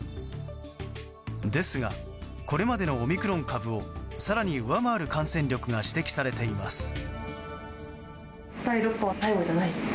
ですがこれまでのオミクロン株を更に上回る感染力が指摘されています。